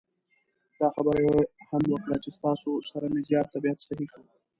دا خبره یې هم وکړه چې ستاسو سره مې زیات طبعیت سهی شو.